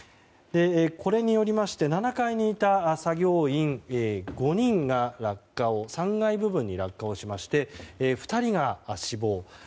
これによりまして７階にいた作業員５人が３階部分に落下をしまして２人が死亡。